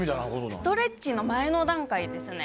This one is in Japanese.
ストレッチの前段階ですね。